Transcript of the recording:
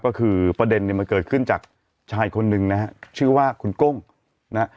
ก็คือประเด็นเนี่ยมันเกิดขึ้นจากชายคนหนึ่งนะฮะชื่อว่าคุณก้งนะฮะ